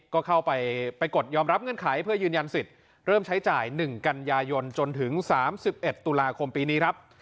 ก็เข้าไปกดยอมรับเงื่อนไขเพื่อยืนยันสิทธิ์เริ่มใช้จ่าย๑กันยายนจนถึง๓๑ตุลาคมปีนี้ครับ